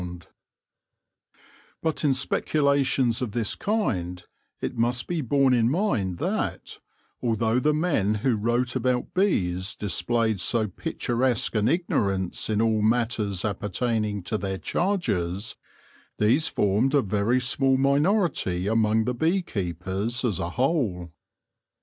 BEE MASTERS IN THE MIDDLE AGES 33 But in speculations of this kind, it must be borne in mind that, although the men who wrote about bees displayed so picturesque an ignorance in all matters appertaining to their charges, these formed a very small minority among the bee keepers as a whole.